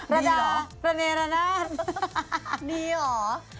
ระดาษระเนยระหน้าดีหรอ